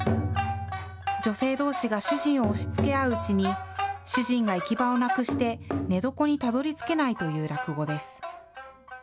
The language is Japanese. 女性どうしが主人を押しつけ合ううちに、主人が行き場をなくして、寝床にたどりつけないという落語です。